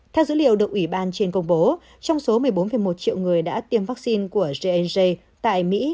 theo dữ liệu được ủy ban trên công bố trong số một mươi bốn một triệu người đã tiêm vaccine của gngj tại mỹ